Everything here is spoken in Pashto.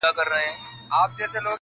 د کتلو د ستایلو نمونه وه!!